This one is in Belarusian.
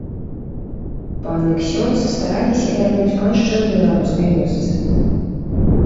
Пан і ксёндз стараліся вярнуць паншчыну беларускай вёсцы.